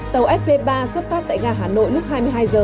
tàu sp ba xuất phát tại gà hà nội lúc hai mươi hai h